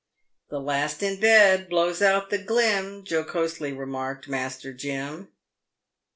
" The last in bed blows out the glim," jocosely remarked Master Jim.